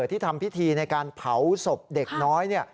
ที่ทำพิธีในการเผาศพเด็กน้อย